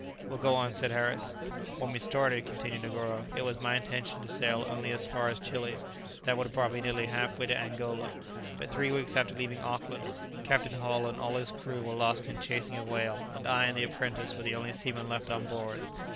"Well, go on," said Harris. "When we started," continued Negoro, "it was my intention to sail only as far as Chili: that would have brought me nearly half way to Angola; but three weeks after leaving Auckland, Captain Hull and all his crew were lost in chasing a whale, and I and the apprentice were the only seamen left on board."